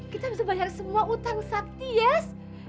kita bisa bayar semua utang sakti yes